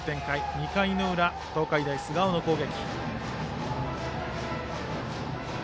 ２回の裏、東海大菅生の攻撃。